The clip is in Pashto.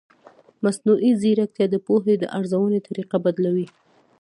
مصنوعي ځیرکتیا د پوهې د ارزونې طریقه بدلوي.